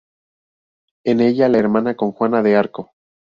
En ella la hermana con Juana de Arco.